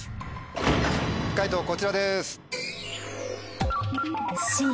解答こちらです。